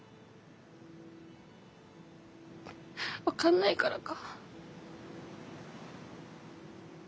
分かんないからか。